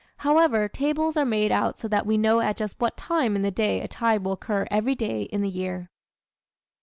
However, tables are made out so that we know at just what time in the day a tide will occur every day in the year.